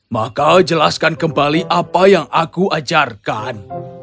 maka jelaskan kembali apa yang aku ajarkan